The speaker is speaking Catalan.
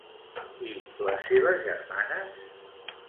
I les seves germanes?